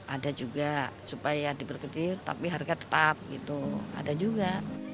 ada juga supaya diperkecil tapi harga tetap gitu ada juga